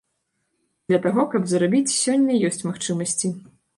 Для таго каб зарабіць, сёння ёсць магчымасці.